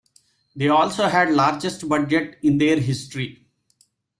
They also had the largest budget in their history.